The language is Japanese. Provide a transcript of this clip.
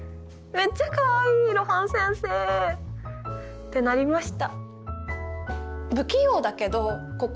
めっちゃかわいい露伴先生！ってなりました。